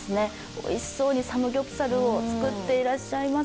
おいしそうにサムギョプサルを作っていらっしゃいます。